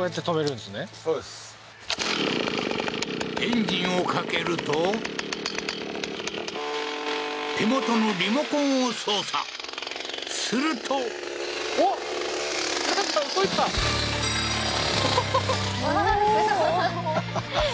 エンジンをかけると手元のリモコンを操作するとわあーすごいはははっ